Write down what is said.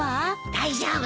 大丈夫。